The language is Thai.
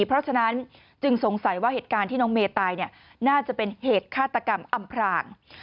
เพราะฉะนั้นจึงสงสัยว่าเหตุการณ์ที่น้องเมย์ตายน่าจะเป็นเหตุฆาตกรรมอำพราง